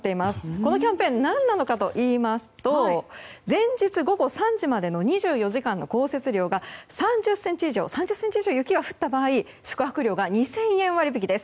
このキャンペーン何なのかといいますと前日午後３時までの２４時間の降雪量が３０ｃｍ以上、雪が降った場合宿泊料が２０００円割引です。